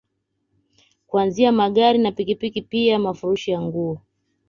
Kuanzia Magari na pikipiki pia mafurushi ya nguo